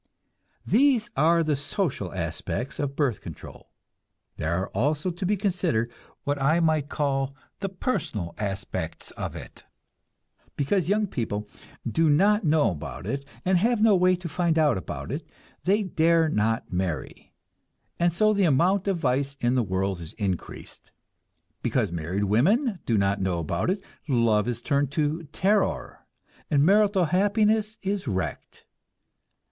These are the social aspects of birth control. There are also to be considered what I might call the personal aspects of it. Because young people do not know about it, and have no way to find out about it, they dare not marry, and so the amount of vice in the world is increased. Because married women do not know about it, love is turned to terror, and marital happiness is wrecked.